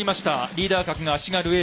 リーダー格が足軽Ａ。